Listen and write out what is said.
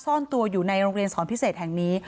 ซ่อนตัวอยู่ในโรงเรียนสอนพิเศษแห่งนี้